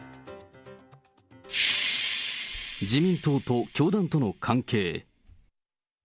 自民党と教団との関係。